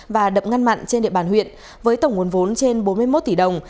và đập ngăn mặn trên địa bàn huyện với tổng nguồn vốn trên bốn mươi một tỷ đồng